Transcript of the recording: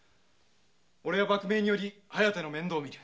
おれは幕命により「疾風」の面倒を見る。